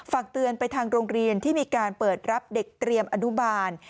ฝากเตือนไปทางโรงเรียนที่มีการเปิดรับเด็กเตรียมอนุบาล